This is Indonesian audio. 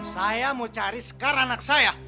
saya mau cari sekarang anak saya